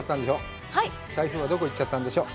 台風は、どこ行っちゃったんでしょう？